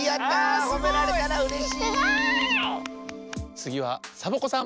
つぎはサボ子さん。